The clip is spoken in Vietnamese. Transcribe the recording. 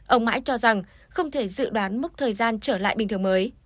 ông mãi cho rằng không thể dự đoán mốc thời gian trở lại bình thường mới